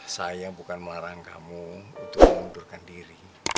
saya bukan melarang kamu untuk mengundurkan diri